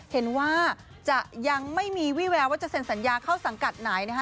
เห็นว่าจะยังไม่มีวี่แววว่าจะเซ็นสัญญาเข้าสังกัดไหนนะคะ